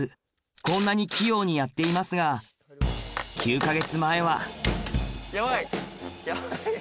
こんなに器用にやっていますが９か月前はヤバいヤバい。